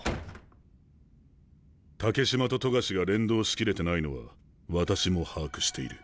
竹島と冨樫が連動し切れてないのは私も把握している。